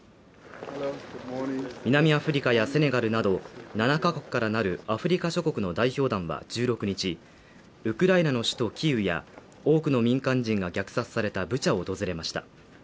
南アフリカやセネガルなど７カ国からなるアフリカ諸国の代表団は１６日ウクライナの首都キーウや多くの民間人が虐殺されたブチャを訪れました。